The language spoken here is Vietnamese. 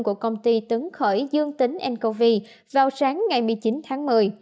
của công ty tấn khởi dương tính ncov vào sáng ngày một mươi chín tháng một mươi